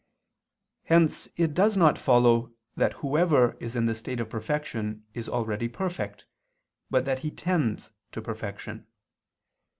Hence it does not follow that whoever is in the state of perfection is already perfect, but that he tends to perfection.